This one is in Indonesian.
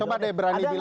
coba deh berani bilang